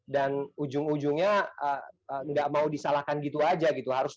dan ujung ujungnya enggak mau disalahkan gitu aja gitu